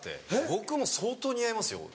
僕も相当似合いますよ。